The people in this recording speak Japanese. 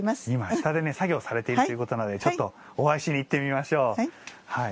下で作業されているということなのでお会いしにいってみましょう。